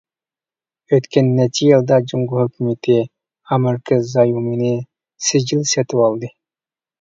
ئۆتكەن نەچچە يىلدا جۇڭگو ھۆكۈمىتى ئامېرىكا زايومىنى سىجىل سېتىۋالدى.